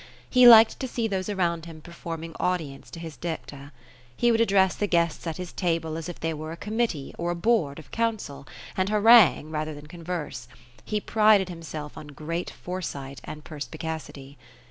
He liked to see those around him performing audience to his dicta. He would address the guests at his table, as if they were a committee, or a board of council ; and harangue, rather than converse. He prided himself on great foresight and perspicacity.